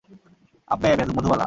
আব্বে, মোধুবালা!